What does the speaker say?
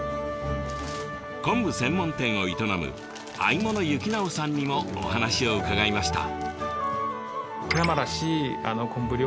昆布専門店を営む四十物幸直さんにもお話を伺いました。